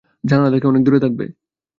জানালা থেকে দূরে থাকবে।